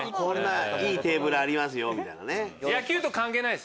「いいテーブルありますよ」みたいなね。